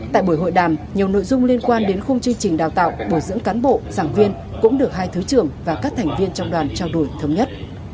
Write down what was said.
tại buổi hội đàm nhiều nội dung liên quan đến khung chương trình đào tạo bồi dưỡng cán bộ giảng viên cũng được hai thứ trưởng và các thành viên trong đoàn trao đổi thống nhất